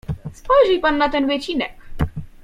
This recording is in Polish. "Spojrzyj pan na ten wycinek."